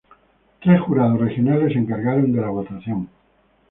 Tres jurados regionales se encargaron de la votación.